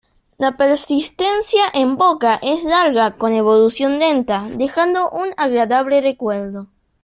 La persistencia en boca es larga con evolución lenta, dejando un agradable recuerdo.